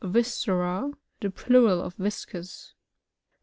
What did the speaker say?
Vi8CKRA.^The plural of viscus.